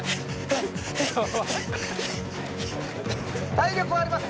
体力はあります。